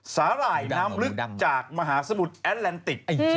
หร่ายน้ำลึกจากมหาสมุทรแอดแลนติก